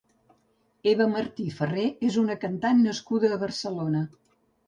Eva Martí Ferré és una cantant nascuda a Barcelona.